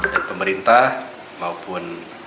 dan pemerintah maupun